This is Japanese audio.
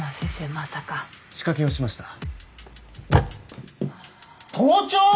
まさか仕掛けをしました盗聴！？